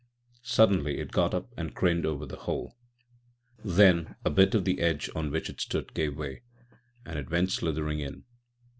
Suddenly it got up and craned over the hole. Then a bit of the edge on which it stood gave way, and it went slithering in.